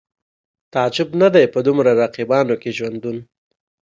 تعجب نه دی په دومره رقیبانو کې ژوندون